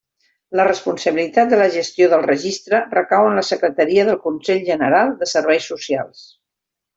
La responsabilitat de la gestió del registre recau en la secretaria del Consell General de Serveis Socials.